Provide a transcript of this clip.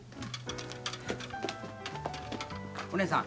お姉さん！